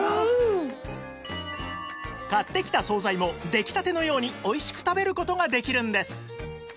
買ってきた惣菜も出来たてのようにおいしく食べる事ができるんです